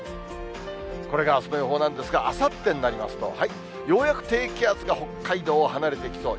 これがあすの予報なんですが、あさってになりますと、ようやく低気圧が北海道を離れていきそう。